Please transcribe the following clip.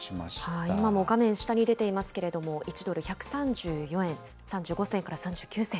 今も画面下に出ていますけれども、１ドル１３４円３５銭から３９銭。